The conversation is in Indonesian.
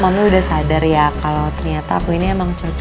mami udah sadar ya kalo ternyata aku ini emang cocok sama raja